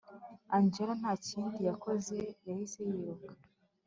angella ntakindi yakoze yahise yiruka